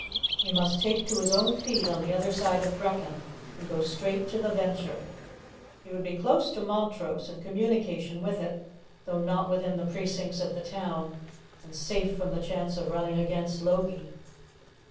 He must take to his own feet on the other side of Brechin, and go straight to the Venture. He would be close to Montrose, in communication with it, though not within the precincts of the town, and safe from the chance of running against Logie.